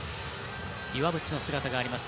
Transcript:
岩渕の姿がありました。